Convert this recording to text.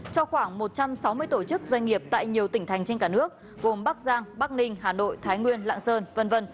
cho khoảng một trăm sáu mươi tổ chức doanh nghiệp tại nhiều tỉnh thành trên cả nước gồm bắc giang bắc ninh hà nội thái nguyên lạng sơn v v